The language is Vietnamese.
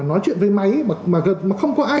nói chuyện với máy mà không có ai